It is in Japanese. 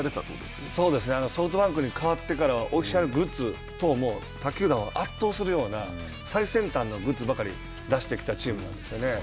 ソフトバンクに変わってからはオフィシャルグッズ等も他球団を圧倒するような最先端のグッズばかり出してきたチームなんですね。